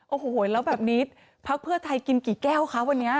โอ้โหแล้วแบบนี้พักเพื่อไทยกินกี่แก้วคะวันนี้